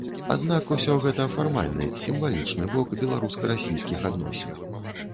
Аднак усё гэта фармальны, сімвалічны бок беларуска-расійскіх адносін.